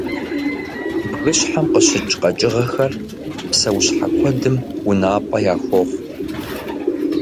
Бгыщхьэм къыщыкӏ къэкӏыгъэхэр псэущхьэ куэдым унапӏэ яхохъу.